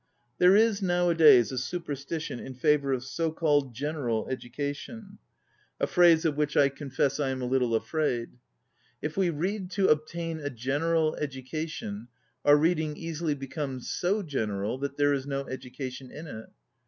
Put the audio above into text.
There is nowadays a superstition in favor of so called general educa tion, ŌĆö a phrase of which I confess 81 ON READING I am a little afraid. If we read to obtain a general education, our read ing easily becomes so general that there is no education in it.